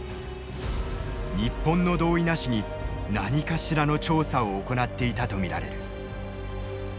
日本の同意なしに何かしらの調査を行っていたと見られる。